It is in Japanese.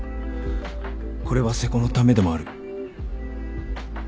これは瀬古のためでもある。